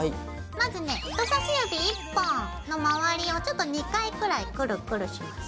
まずね人さし指１本の回りをちょっと２回くらいクルクルします。